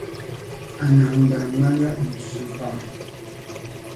Anahingbana ŋmanla n-tizo paɣa.